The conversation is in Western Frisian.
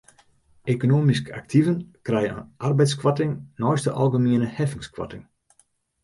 Ekonomysk aktiven krije in arbeidskoarting neist de algemiene heffingskoarting.